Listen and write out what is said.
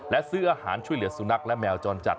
และซื้ออาหารช่วยเหลือสุนัขและแมวจรจัด